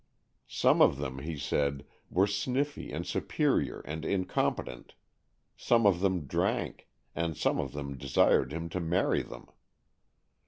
Some of them, he said, were sniffy and superior and incompetent, some of them drank, and some of them desired him to marry them.